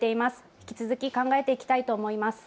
引き続き考えていきたいと思います。